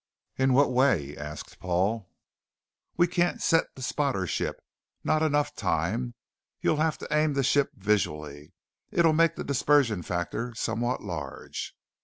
"In what way?" asked Paul. "We can't set the spotter ship. Not enough time. You'll have to aim the ship visually. It'll make the dispersion factor somewhat large."